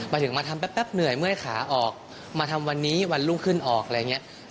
มาถึงมาทำแป๊บเหนื่อยเมื่อยขาออกมาทำวันนี้วันรุ่งขึ้นออกอะไรอย่างนี้